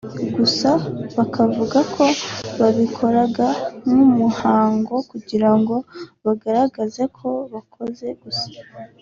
gusa bakavuga ko babikoraga nk’umuhango kugira ngo bagaragaze ko bakoze gusa